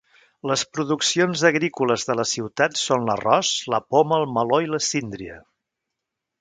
Les produccions agrícoles de la ciutat són l'arròs, la poma, el meló i la síndria.